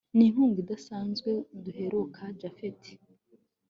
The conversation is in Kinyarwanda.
ninkunga idasanzweduheruka japhet